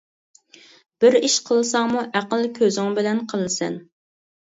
بىر ئىش قىلساڭمۇ ئەقىل كۆزۈڭ بىلەن قىلىسەن.